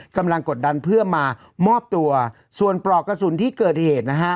กดดันเพื่อมามอบตัวส่วนปลอกกระสุนที่เกิดเหตุนะฮะ